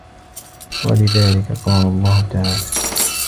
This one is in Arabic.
وَلِذَلِكَ قَالَ اللَّهُ تَعَالَى